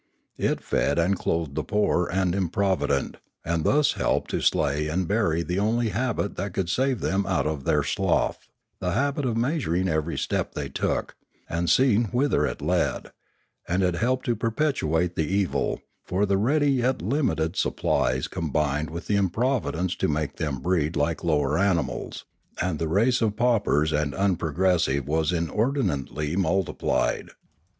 It fed and clothed the poor and improvident, and thus helped to slay and bury the only habit that could save them out of their slough, the habit of measuring every step they took, and seeing whither it led ; and it helped to perpetuate the evil; for the ready yet limited supplies combined with the improvidence to make them breed like the lower animals, and the race of paupers and unprogressive was inordinately multiplied.